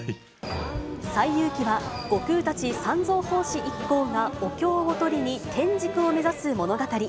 西遊記は悟空たち三蔵法師一行がお経を取りに天竺を目指す物語。